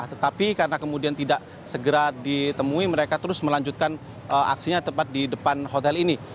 tetapi karena kemudian tidak segera ditemui mereka terus melanjutkan aksinya tepat di depan hotel ini